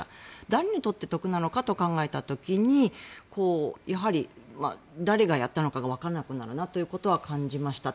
誰にとって得なのかと考えた時にやはり、誰がやったのかわからなくなるなとは感じました。